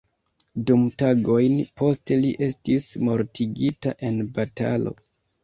Du tagojn poste li estis mortigita en batalo.